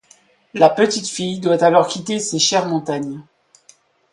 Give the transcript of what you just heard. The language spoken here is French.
La petite fille doit alors quitter ses chères montagnes.